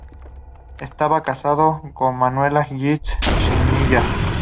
Estaba casado con Manuela Gasset Chinchilla.